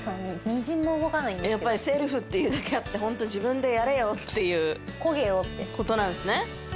やっぱりセルフっていうだけあってホント自分でやれよっていう事なんですね。